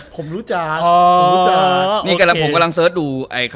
ผมรู้จักผมรู้จัก